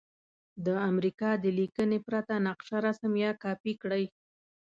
د امریکا د لیکنې پرته نقشه رسم یا کاپې کړئ.